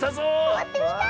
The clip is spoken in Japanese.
さわってみたい！